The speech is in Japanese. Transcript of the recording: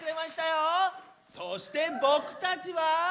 そしてぼくたちは。